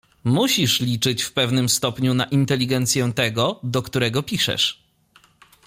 "Musisz liczyć w pewnym stopniu na inteligencję tego, do którego piszesz."